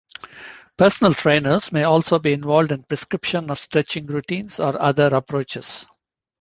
Personal trainers may also be involved in prescription of stretching routines or other approaches.